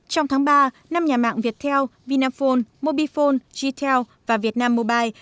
trong tháng ba năm nhà mạng viettel vinaphone mobifone gtel và vietnam mobile